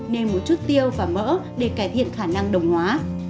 nên một chút tiêu và mỡ để cải thiện khả năng đồng hóa